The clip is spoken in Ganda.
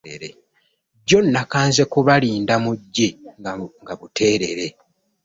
Jjo nakanze kubalinda mujje nga buteerere.